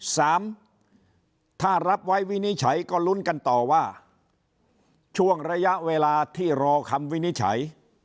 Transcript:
สามถ้ารับไว้วินิจฉัยก็ลุ้นกันต่อว่าช่วงระยะเวลาที่รอคำวินิจฉัย